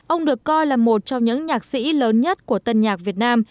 ông được coi là một trong những nhạc sĩ lớn nhất của tân nhạc việt nam